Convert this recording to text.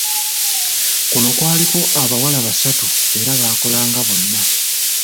Kuno kwaliko abawala basatu era baakolanga bonna.